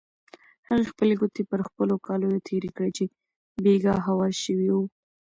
هغې خپلې ګوتې پر هغو کالیو تېرې کړې چې بېګا هوار شوي وو.